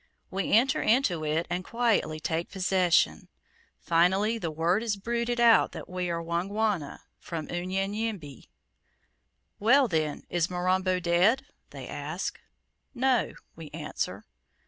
We enter into it and quietly take possession. Finally, the word is bruited about that we are Wangwana, from Unyanyembe. "Well, then, is Mirambo dead?" they ask. "No," we answer.